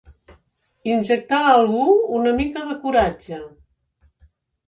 Injectar a algú una mica de coratge.